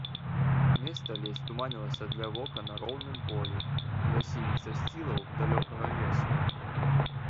Места ледзь туманілася для вока на роўным полі, ля сініх засцілаў далёкага лесу.